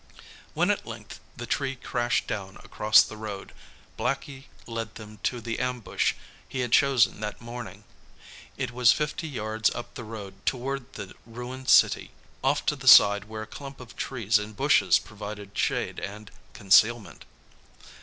When at length the tree crashed down across the road, Blackie led them to the ambush he had chosen that morning. It was fifty yards up the road toward the ruined city off to the side where a clump of trees and bushes provided shade and concealment.